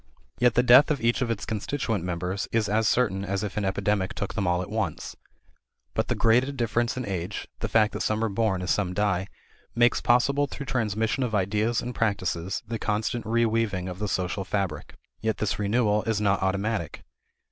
Yet the death of each of its constituent members is as certain as if an epidemic took them all at once. But the graded difference in age, the fact that some are born as some die, makes possible through transmission of ideas and practices the constant reweaving of the social fabric. Yet this renewal is not automatic.